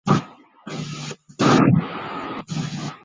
孵溪蟾只曾发现在未开发的雨林出现。